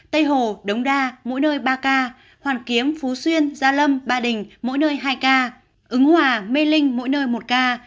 tây hồ đống đa mỗi nơi ba ca hoàn kiếm phú xuyên gia lâm ba đình mỗi nơi hai ca ứng hòa mê linh mỗi nơi một ca